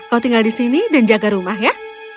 kau tinggal di sini dan jaga rumah ya